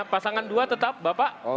pasangan dua tetap bapak